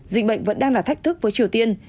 dịch bệnh vẫn đang là thách thức với triều tiên